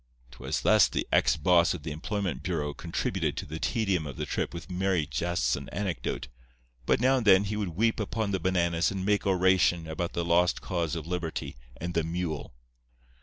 "'Twas thus the ex boss of the employment bureau contributed to the tedium of the trip with merry jests and anecdote. But now and then he would weep upon the bananas and make oration about the lost cause of liberty and the mule.